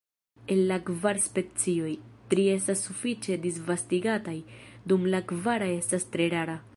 El la kvar specioj, tri estas sufiĉe disvastigataj, dum la kvara estas tre rara.